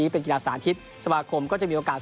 เป็นกีฬาสาธิตสมาคมก็จะมีโอกาส